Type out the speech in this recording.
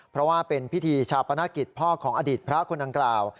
เพราะว่าเป็นพิธีชาปนกิจพ่อของอดีตพระคนดังกล่าว